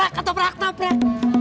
pak atau prak prak